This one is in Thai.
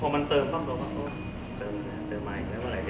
มันประกอบกันแต่ว่าอย่างนี้แห่งที่